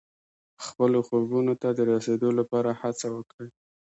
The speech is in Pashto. خپلو خوبونو ته د رسیدو لپاره هڅه وکړئ.